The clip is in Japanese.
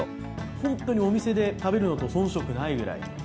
本当にお店で食べるのと遜色ないぐらい。